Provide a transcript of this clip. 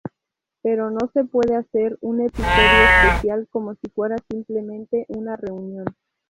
Pero no se puede hacer un episodio especial como si fuera simplemente una reunión.